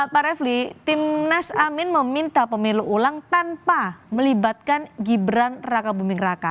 pak refli tim nas amin meminta pemilu ulang tanpa melibatkan gibran raka buming raka